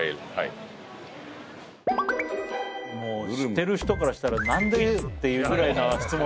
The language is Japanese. もう知ってる人からしたらなんでっていうくらいな質問。